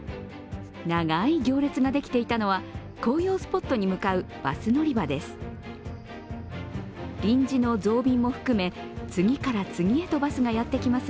長い行列ができていたのは、紅葉スポットに向かうバス乗り場です。